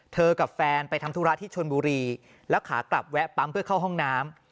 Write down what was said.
กับแฟนไปทำธุระที่ชนบุรีแล้วขากลับแวะปั๊มเพื่อเข้าห้องน้ำ